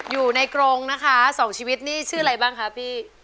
อยู่ในกรงนะคะสองชีวิตนี่ชื่ออะไรบ้างคะพี่